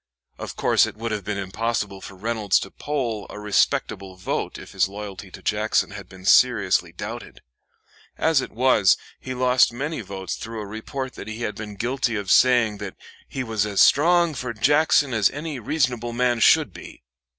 Of course it would have been impossible for Reynolds to poll a respectable vote if his loyalty to Jackson had been seriously doubted. As it was, he lost many votes through a report that he had been guilty of saying that "he was as strong for Jackson as any reasonable man should be."